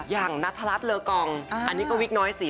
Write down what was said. อย่างนัทรัสเลอกองอันนี้ก็วิกน้อยสี